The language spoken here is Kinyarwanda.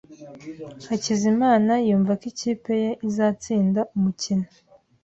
Hakizimana yumva ko ikipe ye izatsinda umukino.